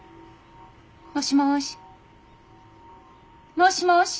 もしもし。